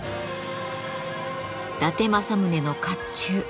伊達政宗の甲冑。